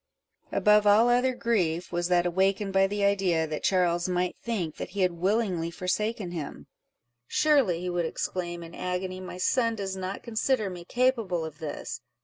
Above all other grief, was that awakened by the idea, that Charles might think that he had willingly forsaken him—"Surely," he would exclaim, in agony, "my son does not consider me capable of this!